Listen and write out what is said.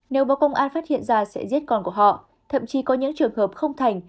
nếu báo công an phát hiện ra sẽ giết con của họ thậm chí có những trường hợp không thành